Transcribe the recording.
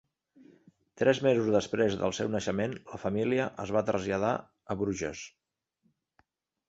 Tres mesos després del seu naixement, la família es va traslladar a Bruges.